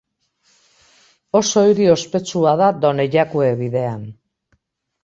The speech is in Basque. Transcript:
Oso hiri ospetsua da Done Jakue Bidean.